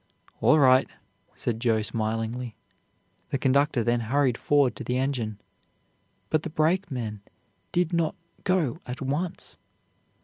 "All right," said Joe, smilingly. The conductor then hurried forward to the engine. But the brakeman did not go at once.